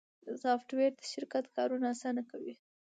دا سافټویر د شرکت کارونه اسانه کوي.